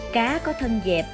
cá có thân dẹp